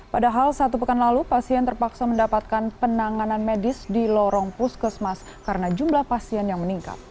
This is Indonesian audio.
padahal satu pekan lalu pasien terpaksa mendapatkan penanganan medis di lorong puskesmas karena jumlah pasien yang meningkat